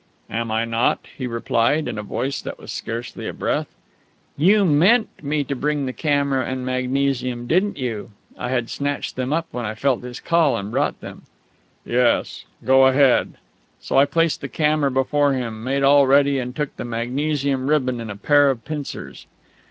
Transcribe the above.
"Am I not?" he replied, in a voice that was scarcely a breath. "You meant me to bring the camera and magnesium, didn't you?" (I had snatched them up when I felt his call, and had brought them.) "Yes. Go ahead." So I placed the camera before him, made all ready, and took the magnesium ribbon in a pair of pincers.